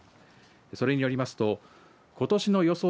それによりますとことしの予想